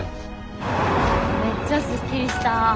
めっちゃすっきりした。